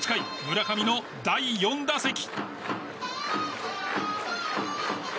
村上の第４打席。